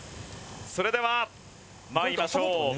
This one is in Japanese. それでは参りましょう。